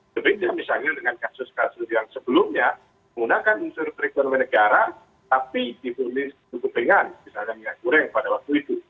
tapi misalnya dengan kasus kasus yang sebelumnya menggunakan unsur perekonomian negara tapi dipulih cukup dengan misalnya kurang pada waktu itu